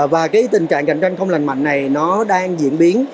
và cái tình trạng cạnh tranh không lành mạnh này nó đang diễn biến